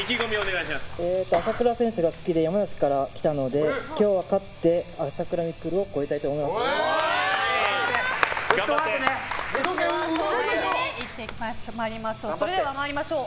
朝倉選手が好きで山梨から来たので今日は勝って朝倉未来をでは参りましょう。